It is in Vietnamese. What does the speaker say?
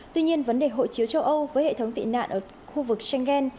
tuy nhiên vấn đề hội chiếu châu âu với hệ thống tị nạn ở khu vực schengen